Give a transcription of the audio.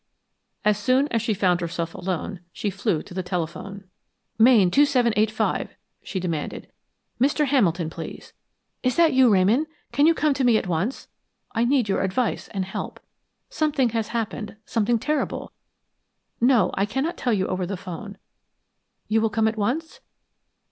As soon as she found herself alone, she flew to the telephone. "Main, 2785," she demanded.... "Mr. Hamilton, please.... Is that you, Ramon?... Can you come to me at once? I need your advice and help. Something has happened something terrible! No, I cannot tell you over the 'phone. You will come at once?